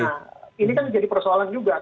nah ini kan jadi persoalan juga